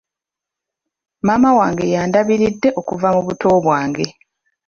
Maama wange y'andabiridde okuva mu buto bwange.